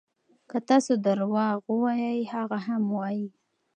که تاسو درواغ ووایئ هغه هم وایي.